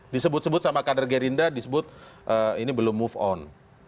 disebut sebut sama kader gerindra disebut ini belum move on